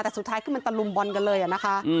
แต่สุดท้ายก็จะเตารุมบอนกันเลยนะคะ